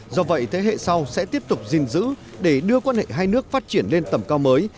do vậy thế hệ sau sẽ tiếp tục gìn giữ để đưa quan hệ hai nước phát triển lên tầm cao mới